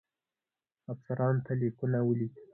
افسرانو ته لیکونه ولیکي.